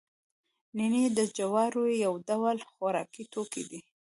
نینې د جوارو یو ډول خوراکي توکی دی